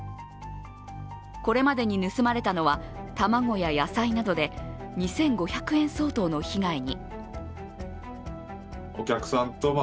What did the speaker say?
これまでに盗まれたのは卵や野菜などで２５００円相当の被害に。